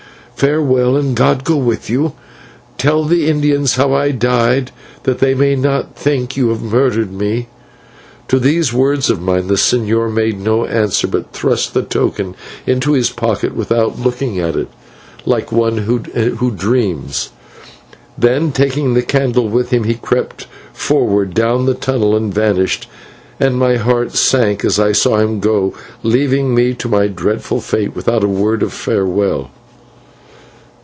Farewell, and God go with you. Tell the Indians how I died, that they may not think that you have murdered me." To these words of mine the señor made no answer, but thrust the token into his pocket without looking at it, like one who dreams. Then, taking the candle with him, he crept forward down the tunnel and vanished, and my heart sank as I saw him go, leaving me to my dreadful fate without a word of farewell.